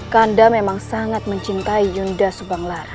kanda memang sangat mencintai yunda subang lara